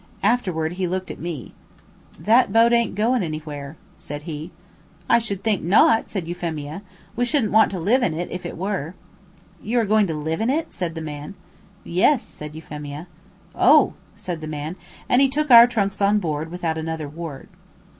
Afterward he looked at me. "That boat ain't goin' anywhere," said he. "I should think not," said Euphemia. "We shouldn't want to live in it, if it were." "You are going to live in it?" said the man. "Yes," said Euphemia. "Oh!" said the man, and he took our trunks on board, without another word.